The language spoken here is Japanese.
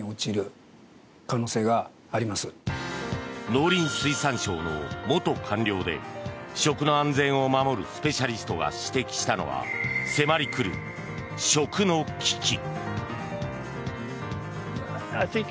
農林水産省の元官僚で食の安全を守るスペシャリストが指摘したのは迫り来る食の危機。